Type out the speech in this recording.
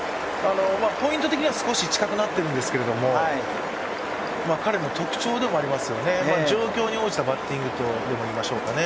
ポイント的には少し近くなっているんですけれども彼の特徴でもありますよね、状況に応じたバッティングとでもいいましょうかね。